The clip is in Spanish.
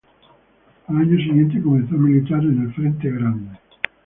Al año siguiente, comenzó a militar en el Frente Grande.